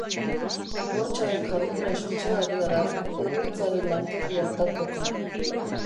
Bortxaren jarduna suntsigarria da, heriotzaren lantegia tarteko.